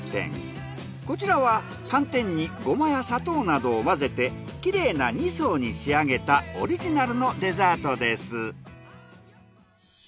こちらは寒天に胡麻や砂糖などを混ぜてきれいな二層に仕上げたオリジナルのデザートです。